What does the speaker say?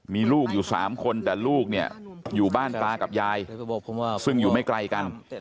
มีลูกอยู่๓คนแต่ลูกเนี่ยอยู่บ้านตากับยายซึ่งอยู่ไม่ไกลกัน